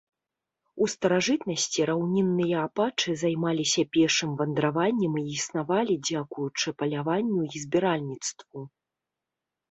У старажытнасці раўнінныя апачы займаліся пешым вандраваннем і існавалі дзякуючы паляванню і збіральніцтву.